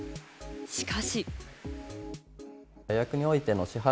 しかし。